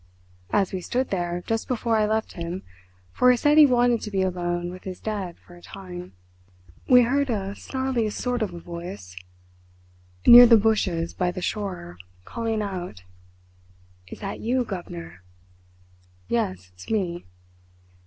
"As we stood there, just before I left him, for he said he wanted to be alone with his dead for a time, we heard a snarly sort of voice near the bushes by the shore calling out: "'Is that you, governor?' "'Yes, it's me.'